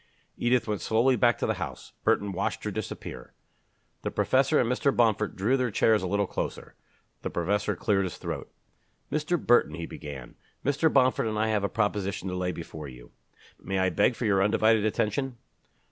Edith went slowly back to the house. Burton watched her disappear. The professor and Mr. Bomford drew their chairs a little closer. The professor cleared his throat. "Mr. Burton," he began, "Mr. Bomford and I have a proposition to lay before you. May I beg for your undivided attention?"